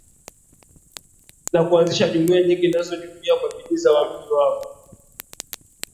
na kuanzisha jumuia nyingi Nazo jumuia kwa bidii za waamini wa